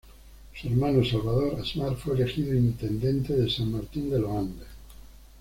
Su hermano Salvador Asmar fue elegido intendente de San Martín de los Andes.